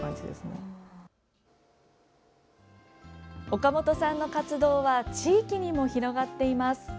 岡本さんの活動は地域にも広がっています。